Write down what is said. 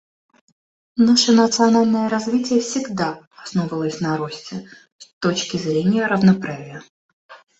Наше национальное развитие всегда основывалось на росте с точки зрения равноправия.